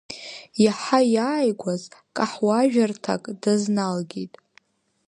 Иаҳа иааигәаз каҳуажәырҭак дазналгеит.